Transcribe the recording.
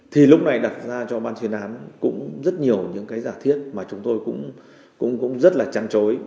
thì lúc này đặt ra cho ban chuyên án cũng rất nhiều những cái giả thiết mà chúng tôi cũng rất là trăng trối